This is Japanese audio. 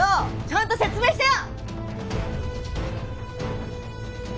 ちゃんと説明してよ！